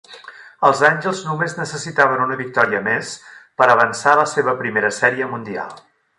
Els Angels només necessitaven una victòria més per avançar a la seva primera Sèrie Mundial.